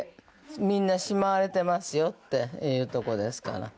みんなしまわれてますよっていうとこですから。